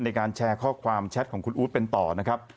ในการแชร์ข้อความแชทของคุณอู๊ดเป็นต่อนะครับ